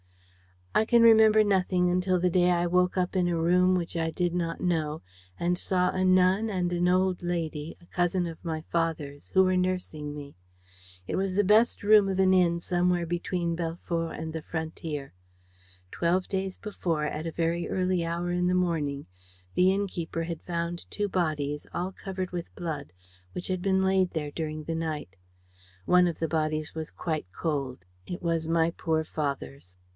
"I can remember nothing until the day when I woke up in a room which I did not know and saw a nun and an old lady, a cousin of my father's, who were nursing me. It was the best room of an inn somewhere between Belfort and the frontier. Twelve days before, at a very early hour in the morning, the innkeeper had found two bodies, all covered with blood, which had been laid there during the night. One of the bodies was quite cold. It was my poor father's.